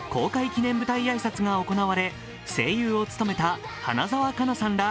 記念舞台挨拶が行われ声優を務めた、花澤香菜さんら